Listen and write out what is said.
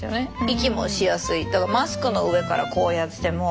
息もしやすいだからマスクの上からこうやってても。